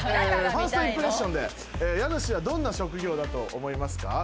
ファーストインプレッションで家主はどんな職業だと思いますか？